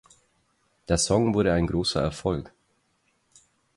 Der Song wurde ein großer Erfolg.